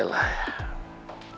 siapa yang harus aku bela ya